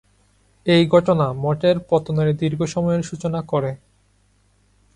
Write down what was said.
এই ঘটনা মঠের পতনের দীর্ঘ সময়ের সূচনা করে।